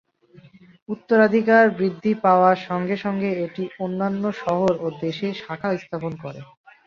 উত্তরাধিকার বৃদ্ধি পাওয়ার সঙ্গে সঙ্গে এটি অন্যান্য শহর ও দেশে শাখা স্থাপন করে।